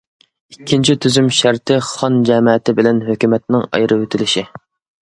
ئىككىنچى تۈزۈم شەرتى خان جەمەتى بىلەن ھۆكۈمەتنىڭ ئايرىۋېتىلىشى.